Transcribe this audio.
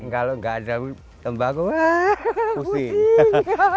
kalau gak ada tembakau wah pusing